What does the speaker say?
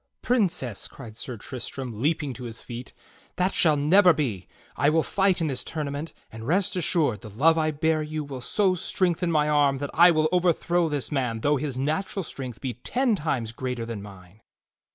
"Princess," cried Sir Tristram leaping to his feet, "that shall never be! I will fight in this tournament; and rest assured, the love I bear you will so strengthen my arm that I will overthrow this man though his natural strength be ten times greater than mine."